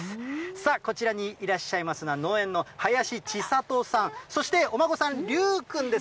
さあ、こちらにいらっしゃいますのは、農園の林千郷さん、そしてお孫さん、りゅうくんです。